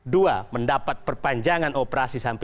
dua mendapat perpanjangan operasi sampai dua ribu empat puluh satu